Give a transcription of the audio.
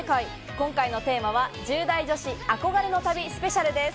今回のテーマは１０代女子・憧れの旅スペシャルです。